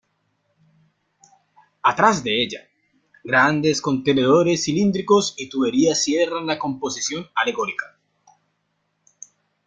Atrás de ella, grandes contenedores cilíndricos y tuberías cierran la composición alegórica.